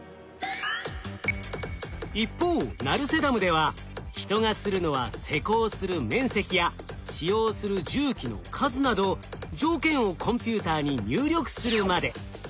一方成瀬ダムでは人がするのは施工する面積や使用する重機の数など条件をコンピューターに入力するまで。